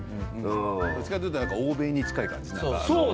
どちらかというと欧米に近い感じ。